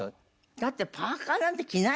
だってパーカーなんて着ない？